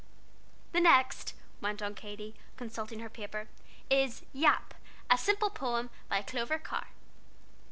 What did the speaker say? "The next," went on Katy, consulting her paper, "is 'Yap,' a Simple Poem, by Clover Carr."